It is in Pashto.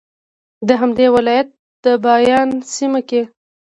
د همدې ولایت په بایان سیمه کې